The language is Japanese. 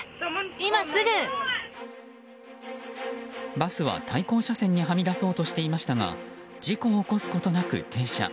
バスは対向車線にはみ出そうとしていましたが事故を起こすことなく停車。